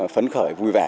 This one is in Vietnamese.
phấn khởi vui vẻ